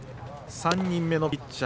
３人目のピッチャー